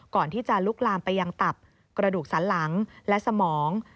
ก่อนที่จะลุกลามไปยังตับกระดูกสันหลังและสมอง